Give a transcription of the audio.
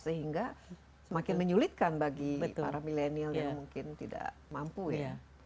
sehingga semakin menyulitkan bagi para milenial yang mungkin tidak mampu ya